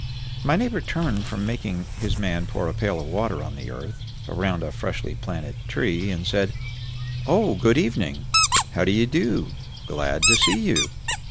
My neighbor turned from making his man pour a pail of water on the earth round a freshly planted tree, and said, "Oh, good evening! How d'ye do? Glad to see you!"